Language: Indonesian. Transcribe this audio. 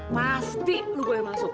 pasti lu gua yang masuk